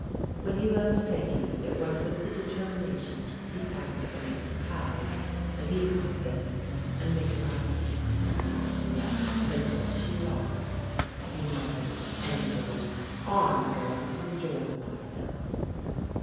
M^en he left Peggy it was with tfie determination to seek out some of his pals, as he called them, and make a night of it. " Let her think what she likes," he muttered angrily. " I'm going to enjoy myself."